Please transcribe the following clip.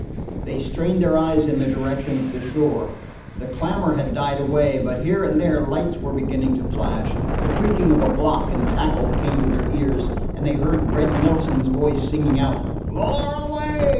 They strained their eyes in the direction of the shore. The clamor had died away, but here and there lights were beginning to flash. The creaking of a block and tackle came to their ears, and they heard Red Nelson's voice singing out: "Lower away!"